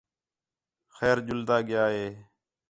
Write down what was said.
خیر ڄُلدا ڳِیا ہِے